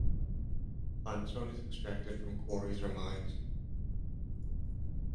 Limestone is extracted from quarries or mines.